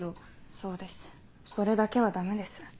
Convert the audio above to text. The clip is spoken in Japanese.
そうですそれだけはダメです。